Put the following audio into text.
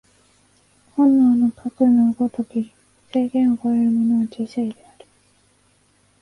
本能のかくの如き制限を超えるものは知性である。